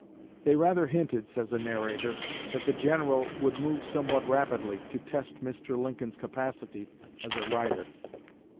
"They rather hinted," says a narrator, "that the General would move somewhat rapidly, to test Mr. Lincoln's capacity as a rider.